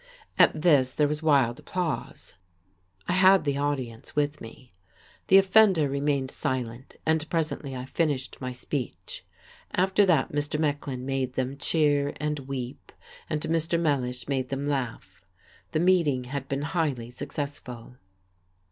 At this there was wild applause. I had the audience with me. The offender remained silent and presently I finished my speech. After that Mr. Mecklin made them cheer and weep, and Mr. Mellish made them laugh. The meeting had been highly successful.